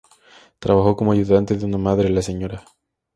Trabajó como ayudante de una madre, la señora.